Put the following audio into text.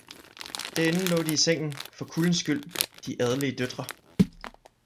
derinde laae de i Sengen, for Kuldens Skyld, de adelige Døttre.